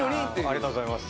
ありがとうございます。